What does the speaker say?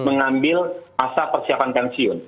mengambil masa persiapan pensiun